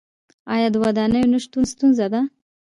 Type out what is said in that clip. آیا د ودانیو نشتون ستونزه ده؟